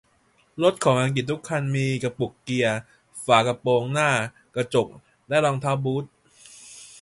รถของอังกฤษทุกคันมีกระปุกเกียร์ฝากระโปรงหน้ากระจกและรองเท้าบูท